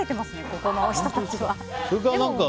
ここの人たちは。